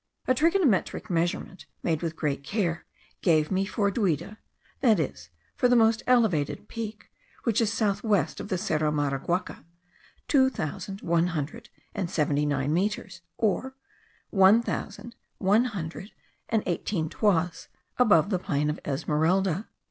A trigonometric measurement, made with great care, gave me for Duida (that is, for the most elevated peak, which is south west of the Cerro Maraguaca) two thousand one hundred and seventy nine metres, or one thousand one hundred and eighteen toises, above the plain of Esmeralda.